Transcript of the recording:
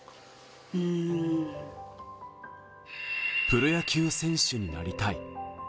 プロ野球選手になりたい。